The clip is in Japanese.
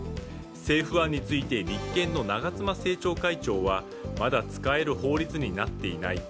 政府案について立憲の長妻政調会長はまだ使える法律になっていない。